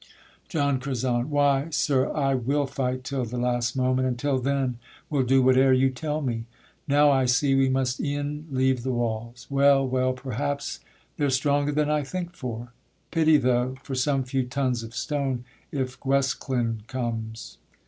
JOHN CURZON. Why, sir, I Will fight till the last moment, until then Will do whate'er you tell me. Now I see We must e'en leave the walls; well, well, perhaps They're stronger than I think for; pity, though! For some few tons of stone, if Guesclin comes.